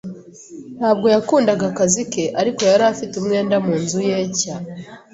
Ntabwo yakundaga akazi ke, ariko yari afite umwenda munzu ye nshya.